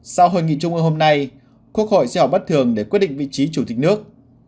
sau hội nghị trung ương hôm nay quốc hội sẽ họp bất thường để quyết định vị trí chủ tịch nước